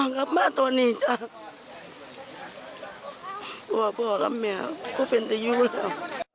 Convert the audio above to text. ยังเชื่อว่าลูกมีชีวิตอยู่และอยากให้ปฏิหารเกิดขึ้นค่ะ